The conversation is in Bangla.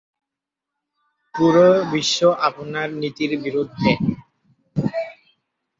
পুরো বিশ্ব আপনার নীতির বিরুদ্ধে।